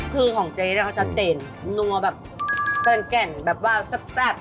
คือของเจ๊เนี่ยเขาจะเด่นนัวแบบเกินแก่นแบบว่าแซ่บ